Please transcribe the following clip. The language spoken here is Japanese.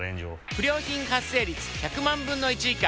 不良品発生率１００万分の１以下。